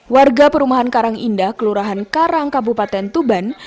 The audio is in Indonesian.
warga perumahan karang indah kelurahan karang kabupaten tuban